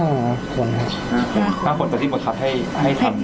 ๕คนเพราะที่บอกทรัพย์ให้